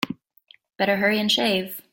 Better hurry and shave.